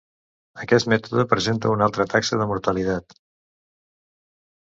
Aquest mètode presenta una alta taxa de mortalitat.